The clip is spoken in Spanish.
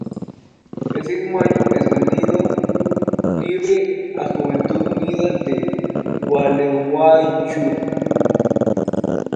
Ese mismo año es vendido libre a Juventud Unida de Gualeguaychú.